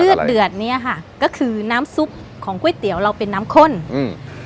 เดือดเนี้ยค่ะก็คือน้ำซุปของก๋วยเตี๋ยวเราเป็นน้ำข้นอืม